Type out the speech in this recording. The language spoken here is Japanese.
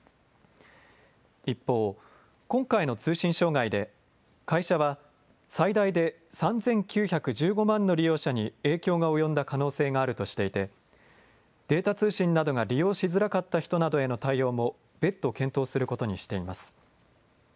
一方、今回の通信障害で会社は最大で３９１５万の利用者に影響が及んだ可能性があるとしていてデータ通信などが利用しづらかった人などへの対応も別途検討することにしています。